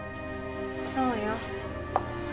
そうよ。